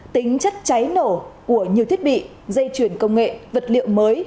tính chất cháy nổ của nhiều thiết bị dây chuyển công nghệ vật liệu mới